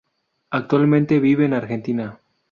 Actualmente vive en Argentina.